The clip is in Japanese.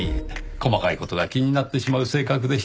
細かい事が気になってしまう性格でして。